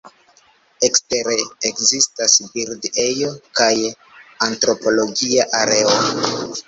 Ekstere ekzistas bird-ejo kaj antropologia areo.